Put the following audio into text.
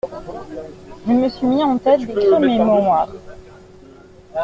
Je me suis mis en tête d'écrire mes mémoires.